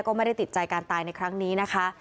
ก็ไม่ได้ติดใจการตายในครั้งนี้นะคะ